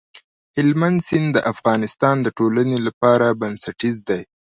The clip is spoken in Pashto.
هلمند سیند د افغانستان د ټولنې لپاره بنسټيز دی.